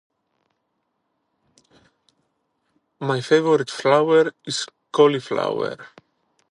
My favorite flower is Cauliflower